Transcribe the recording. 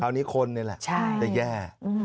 คราวนี้คนเนี่ยแหละจะแย่